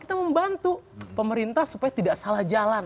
kita membantu pemerintah supaya tidak salah jalan